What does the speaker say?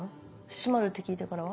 閉まるって聞いてからは？